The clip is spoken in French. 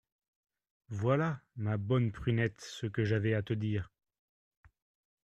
Voilà, ma bonne Prunette, ce que j’avais à te dire…